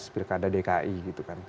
pirkada dki gitu kan